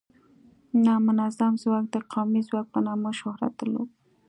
نامنظم ځواک د قومي ځواک په نامه شهرت درلوده.